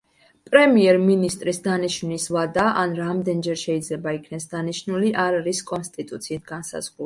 პრემიერ-მინისტრის დანიშვნის ვადა ან რამდენჯერ შეიძლება იქნეს დანიშნული არ არის კონსტიტუციით განსაზღვრული.